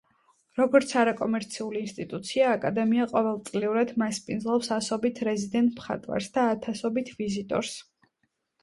როგორც არაკომერციული ინსტიტუცია აკადემია ყოველწლიურად მასპინძლობს ასობით რეზიდენტ მხატვარს და ათასობით ვიზიტორს.